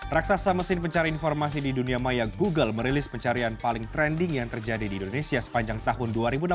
raksasa mesin pencari informasi di dunia maya google merilis pencarian paling trending yang terjadi di indonesia sepanjang tahun dua ribu delapan belas